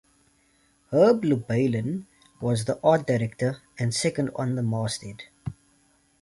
Herb Lubalin was the art director and second on the masthead.